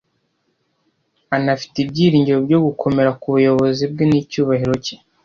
anafite ibyiringiro byo gukomera ku buyobozi bwe n’icyubahiro cye,